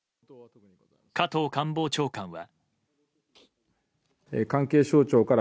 加藤官房長官は。